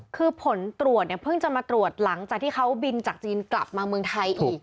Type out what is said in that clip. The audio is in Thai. คือผลตรวจเนี่ยเพิ่งจะมาตรวจหลังจากที่เขาบินจากจีนกลับมาเมืองไทยอีก